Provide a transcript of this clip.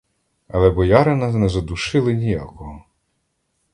Але боярина не задушили ніякого.